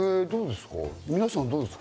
皆さんどうですか？